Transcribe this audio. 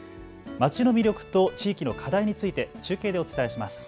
街の魅力と地域の課題について中継でお伝えします。